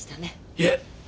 いえ。